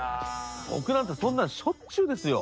僕なんてそんなんしょっちゅうですよ。